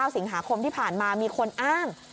สิงหาคมที่ผ่านมามีคนอ้าง